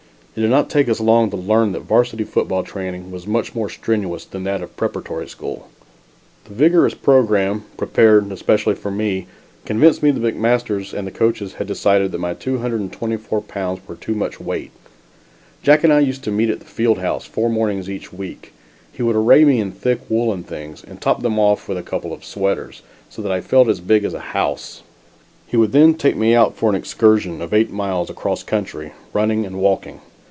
It did not take us long to learn that varsity football training was much more strenuous than that of the preparatory school. The vigorous programme, prepared, especially for me, convinced me that McMasters and the coaches had decided that my 224 pounds were too much weight. Jack and I used to meet at the field house four mornings each week. He would array me in thick woolen things, and top them off with a couple of sweaters, so that I felt as big as a house. He would then take me out for an excursion of eight miles across country, running and walking.